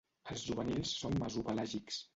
Els juvenils són mesopelàgics.